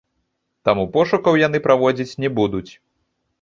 Таму пошукаў яны праводзіць не будуць.